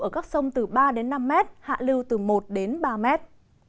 ở các sông từ ba đến năm mét hạ lưu từ một đến ba mét